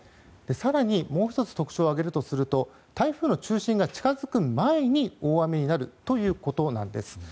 更に、もう１つ特徴を挙げるとすると台風の中心が近づく前に、大雨になるということなんです。